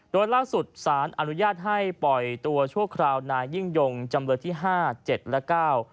โดยล่าสุดสารอนุญาตให้ปล่อยตัวชั่วคราวนายยิ่งยงจำเลือดที่๕๗และ๙